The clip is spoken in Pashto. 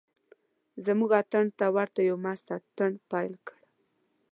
زموږ اتڼ ته ورته یو مست اتڼ پیل کړ.